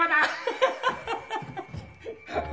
ハハハハハ！